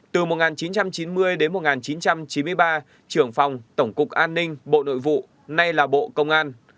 từ một nghìn chín trăm chín mươi đến một nghìn chín trăm chín mươi ba trưởng phòng tổng cục an ninh bộ nội vụ nay là bộ công an